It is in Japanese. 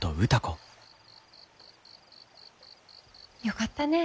よかったね。